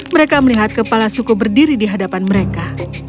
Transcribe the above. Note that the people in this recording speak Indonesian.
mereka melihat kepala suku berdiri di hadapan mereka